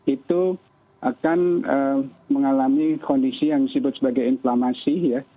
itu akan mengalami kondisi yang disebut sebagai inflamasi ya